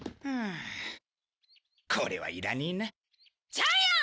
ジャイアン！